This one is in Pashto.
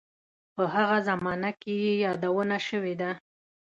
په هغه زمانه کې یې یادونه شوې ده.